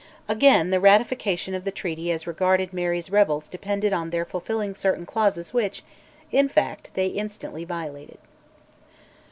Again, the ratification of the Treaty as regarded Mary's rebels depended on their fulfilling certain clauses which, in fact, they instantly violated.